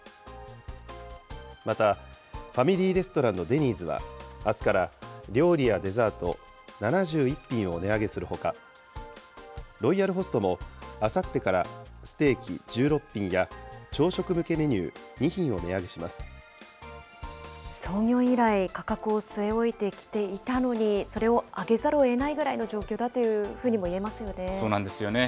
また、ファミリーレストランのデニーズは、あすから料理やデザート、７１品を値上げするほか、ロイヤルホストもあさってからステーキ１６品や朝食向けメニュー創業以来価格を据え置いてきていたのに、それを上げざるをえないぐらいの状況だというふうにそうなんですよね。